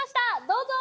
どうぞ。